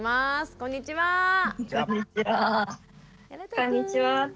「こんにちは」って。